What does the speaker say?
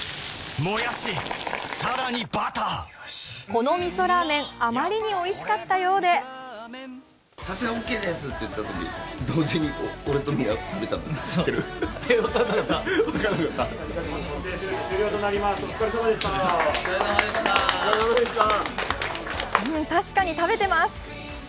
このみそラーメン、あまりにおいしかったようで確かに食べてます！